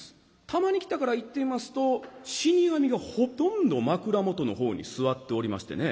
たまに来たから行ってみますと死神がほとんど枕元の方に座っておりましてね